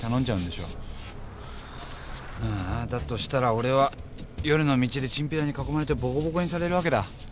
俺は夜の道でチンピラに囲まれてボコボコにされるわけだ。